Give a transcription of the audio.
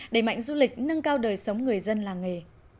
đẩy mạnh du lịch nâng cao đời sống người dân làng nghề